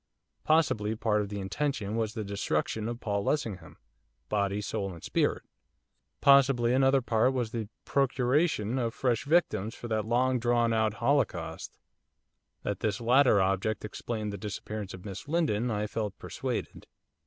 Possibly part of the intention was the destruction of Paul Lessingham, body, soul and spirit; possibly another part was the procuration of fresh victims for that long drawn out holocaust. That this latter object explained the disappearance of Miss Lindon I felt persuaded.